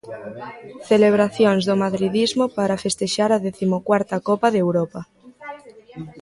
Celebracións do madridismo para festexar a décimo cuarta Copa de Europa.